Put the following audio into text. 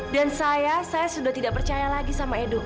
dan saya saya sudah tidak percaya lagi sama edo